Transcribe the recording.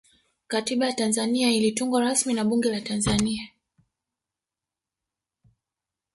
katiba ya tanzania ilitungwa rasmi na bunge la tanzania